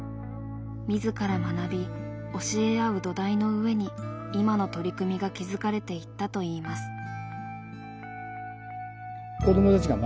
自ら学び教え合う土台の上に今の取り組みが築かれていったといいます。